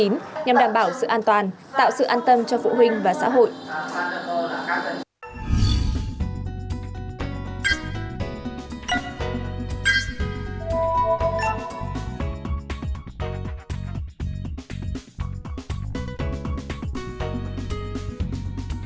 nhằm đảm bảo sự an toàn tạo sự an tâm cho phụ huynh và xã hội